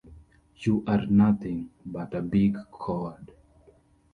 You are nothing but a big coward.